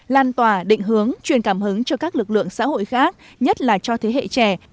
lan tỏa định hướng truyền cảm hứng cho các lực lượng xã hội khác nhất là cho thế hệ trẻ